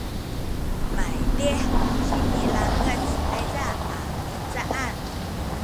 maydih sinilangec ayza a mihcaan